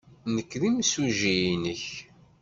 Nekk d imsujji-nnek.